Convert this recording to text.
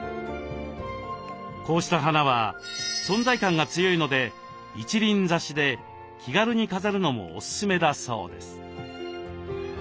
こうした花は存在感が強いので一輪挿しで気軽に飾るのもおすすめだそうです。